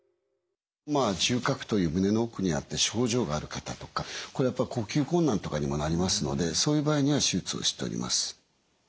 中隔という胸の奥にあって症状がある方とかこれはやっぱり呼吸困難とかにもなりますのでそういう場合には手術をしております。